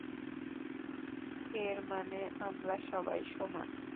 এর মানে আমরা সবাই সমান।